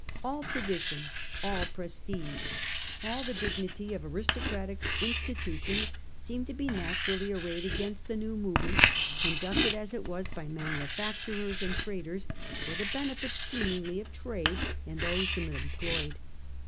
All tradition, all prestige, all the dignity of aristo cratic institutions, seemed to be naturally arrayed against the new movement, conducted as it was by manufa cturers and traders for the benefit seemingly of trade and those whom it employed.